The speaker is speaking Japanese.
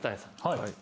はい。